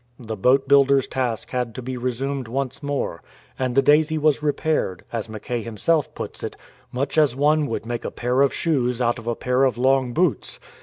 The boat builder's task had to be resumed once more ; and the Daisy was repaired, as Mackay him self puts it, "much as one would make a pair of shoes out of a pair of long boots.